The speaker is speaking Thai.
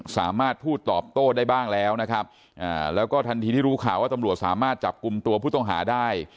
สามารถพูดตอบโต้ได้บ้างแล้วนะครับแล้วก็ทันทีที่รู้ข่าวว่าตำรวจสามารถจับกลุ่มตัวผู้ต้องหาได้